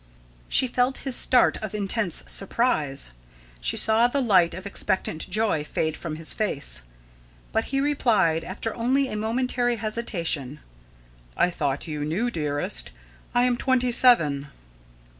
She felt his start of intense surprise. She saw the light of expectant joy fade from his face. But he replied, after only a momentary hesitation: "I thought you knew, dearest. I am twenty seven."